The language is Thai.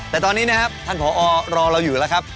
แต่ตอนนี้นะครับท่านผอรอเราอยู่แล้วครับ